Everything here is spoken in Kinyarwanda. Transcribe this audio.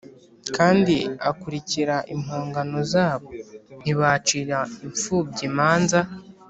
kandi akurikira impongano zabo ntibacira impfubyi imanza